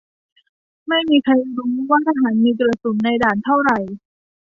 ไม่มีใครรู้ว่าทหารมีกระสุนในด่านเท่าไหร่